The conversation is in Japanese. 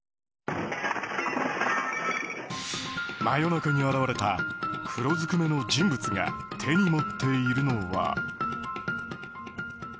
真夜中に現れた黒ずくめの人物が手に持っているのは。